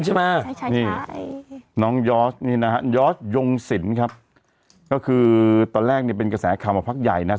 ใช่ใช่น้องยอร์ดนี่นะฮะยอร์ดยงสินครับก็คือตอนแรกเนี้ยเป็นกระแสความอภักดิ์ใหญ่นะฮะ